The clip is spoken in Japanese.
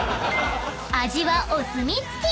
［味はお墨付き！］